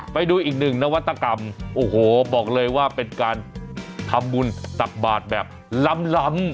ไปดูอีกหนึ่งนวัตกรรมโอ้โหบอกเลยว่าเป็นการทำบุญตักบาทแบบล้ำ